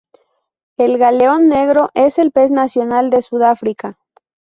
El galeón negro es el pez nacional de Sudáfrica.